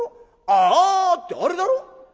『ああ』ってあれだろ？」。